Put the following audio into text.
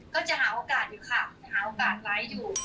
ก็จะหาโอกาสอยู่ค่ะหาโอกาสไว้อยู่